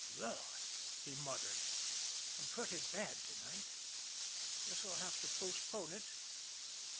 "Lord!" he muttered. "I'm pretty bad to night. Guess I'll have to postpone it.